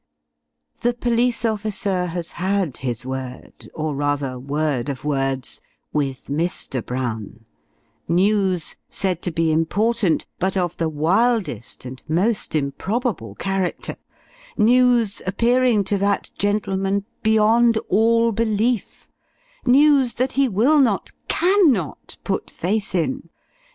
The Police Officer has had his word, or rather, word of words, with Mr. Brown: news, said to be important, but of the wildest and most improbable character news, appearing to that gentleman beyond all belief news, that he will not, can not, put faith in!